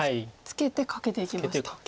ツケてカケていきました。